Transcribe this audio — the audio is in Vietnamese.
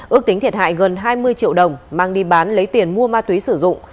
ước tính thiệt hại gần hai mươi triệu đồng mang đi bán lấy tiền mua ma túy sử dụng